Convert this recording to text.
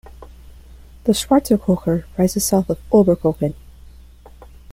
The Schwarzer Kocher rises south of Oberkochen.